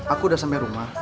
aku udah sampai rumah